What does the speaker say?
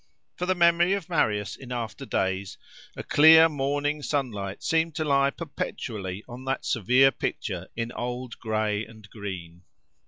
For the memory of Marius in after days, a clear morning sunlight seemed to lie perpetually on that severe picture in old gray and green.